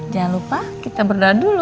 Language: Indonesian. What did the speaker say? jangan lupa kita berdoa dulu